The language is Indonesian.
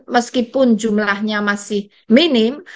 meskipun jumlahnya masih minim